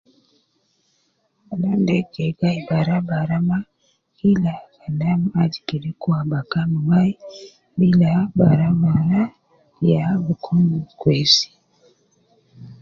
Kalam de kede gayi bara bara ma, kila kalam aju kede kun wayi. Bila bara bara ya bi kun kwes.